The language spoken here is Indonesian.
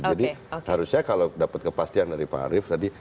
jadi harusnya kalau dapat kepastian dari pak arief tadi